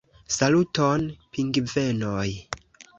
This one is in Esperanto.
Saluton, pingvenoj!